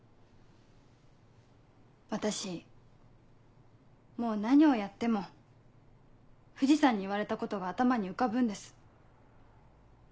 私もう何をやっても藤さんに言われたことが頭に浮かぶんです。